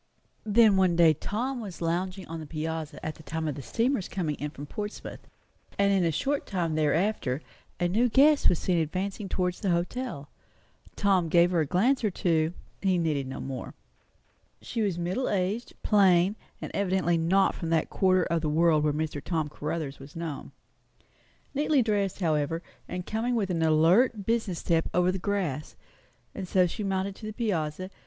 Then one day Tom was lounging on the piazza at the time of the steamer's coming in from Portsmouth; and in a short time thereafter a new guest was seen advancing towards the hotel. Tom gave her a glance or two; he needed no more. She was middle aged, plain, and evidently not from that quarter of the world where Mr. Tom Caruthers was known. Neatly dressed, however, and coming with an alert, business step over the grass, and so she mounted to the piazza.